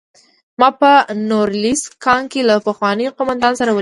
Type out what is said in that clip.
ما په نوریلیسک کان کې له پخواني قومندان سره ولیدل